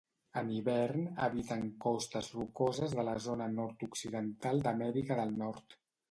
En hivern habiten costes rocoses de la zona nord-occidental d'Amèrica del Nord.